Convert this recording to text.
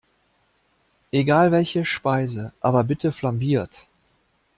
Egal welche Speise, aber bitte flambiert!